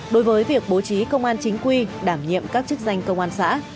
đối với việc bố trí công an chính quy đảm nhiệm các chức danh công an xã